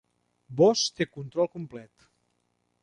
Vós té control complet.